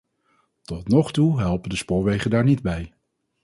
Tot nog toe helpen de spoorwegen daar niet bij.